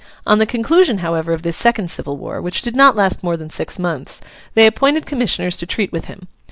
On the conclusion, however, of this second civil war (which did not last more than six months), they appointed commissioners to treat with him.